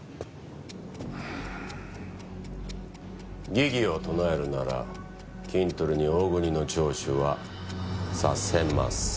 疑義を唱えるならキントリに大國の聴取はさせません。